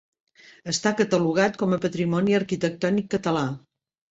Està catalogat com a patrimoni arquitectònic català.